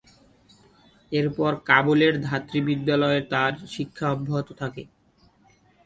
এরপর কাবুলের ধাত্রী বিদ্যালয়ে তার শিক্ষা অব্যাহত থাকে।